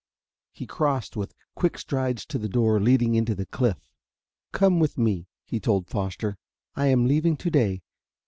He crossed with quick strides to the door leading into the cliff. "Come with me," he told Foster. "I am leaving to day.